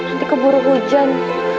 nanti keburu hujan